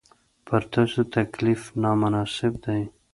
پر تاسو تکلیف نامناسب دی.